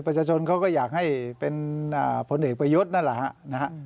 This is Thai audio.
ประชาชนเขาก็อยากให้เป็นผลเอกประยุทธ์นั่นแหละฮะนะฮะ